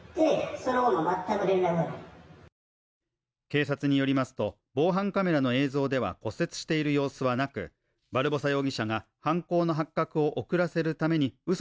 警察によりますと、防犯カメラの映像では骨折している様子はなくバルボサ容疑者が犯行の発覚を遅らせるためにう